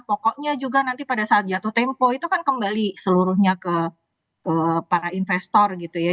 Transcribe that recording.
pokoknya juga nanti pada saat jatuh tempo itu kan kembali seluruhnya ke para investor gitu ya